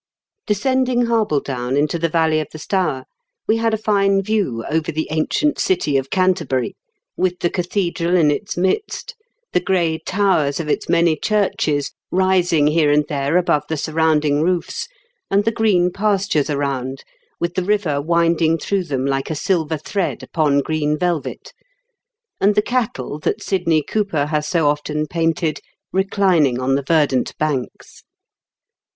Descending Harbledown into the valley of the Stour, we had a fine view over the ancient city of Canterbury, with the cathedral in its midst, the gray towers of its many churches rising here and there above the surrounding roofs, and the green pastures around, with the river winding through them like a silver thread upon green velvet, and the cattle that Sidney Cooper has so often painted reclining on the verdant banks.